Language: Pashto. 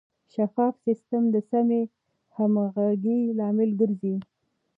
شفاف سیستم د سمې همغږۍ لامل ګرځي.